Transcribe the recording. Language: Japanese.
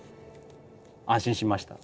安心しました。